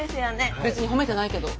別に褒めてないけど。